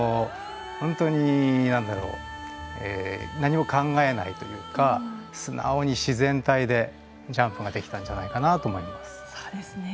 本当に何も考えないというか素直に自然体でジャンプができたんじゃないかなと思います。